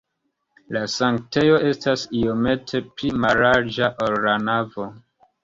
La sanktejo estas iomete pli mallarĝa, ol la navo.